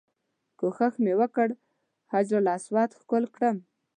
کوښښ مې وکړ حجر اسود ښکل کړم.